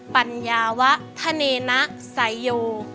ปัญญาวะธะเนณะไสโย